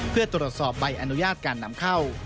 เพื่อตรวจสอบใบอนุญาตการนำเข้า